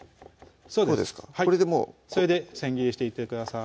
そうですそれで千切りしていってください